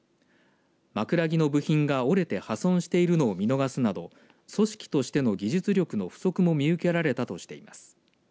枕木の部品が折れて破損しているのを見逃すなど組織としての技術力の不足も見受けられたとしています。